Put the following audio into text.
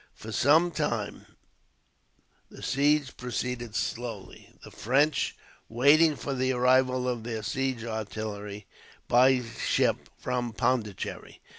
For some time, the siege proceeded slowly, the French waiting for the arrival of their siege artillery, by ship, from Pondicherry.